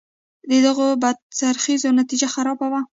د دغو بدخرڅیو نتیجه خرابه وه.